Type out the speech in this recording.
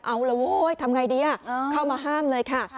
เอาละเว้ยทำไงดีเข้ามาห้ามเลยค่ะ